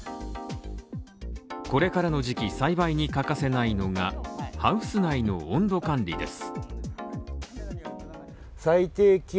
これからの時期栽培に欠かせないのが、ハウス内の温度管理です。